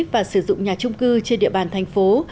và sử dụng nhà trung cư trên địa bàn thành phố